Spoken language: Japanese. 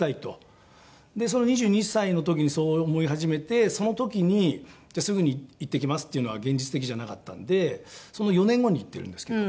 でその２２歳の時にそう思い始めてその時にじゃあすぐに行ってきますっていうのは現実的じゃなかったんでその４年後に行ってるんですけど。